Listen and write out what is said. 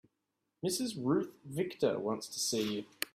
Mrs. Ruth Victor wants to see you.